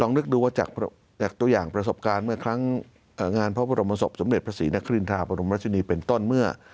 ลองลึกดูจากตัวอย่างประสบการณ์เมื่อคลั้งงานพระบรมศพสำเร็จภัษีนรกลิทธาปรมรจนีรเป็นต้นเมื่อ